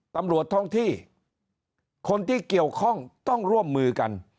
ตำรวจท้องที่คนที่เกี่ยวข้องต้องร่วมมือกัน